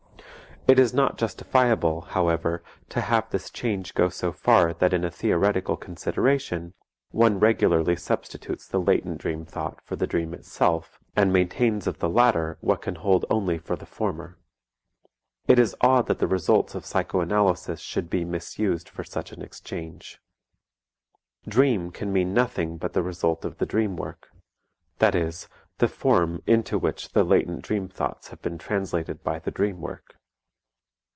It is not justifiable, however, to have this change go so far that in a theoretical consideration one regularly substitutes the latent dream thought for the dream itself, and maintains of the latter what can hold only for the former. It is odd that the results of psychoanalysis should be misused for such an exchange. "Dream" can mean nothing but the result of the dream work, that is, the form into which the latent dream thoughts have been translated by the dream work.